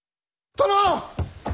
殿！